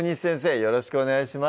よろしくお願いします